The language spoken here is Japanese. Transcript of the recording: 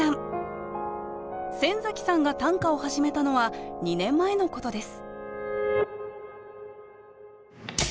先崎さんが短歌を始めたのは２年前のことです